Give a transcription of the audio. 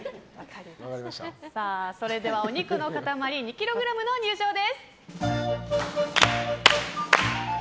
では、お肉の塊２ｋｇの入場です！